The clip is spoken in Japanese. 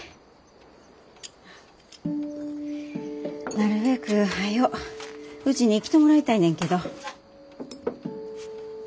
なるべくはようちに来てもらいたいねんけど。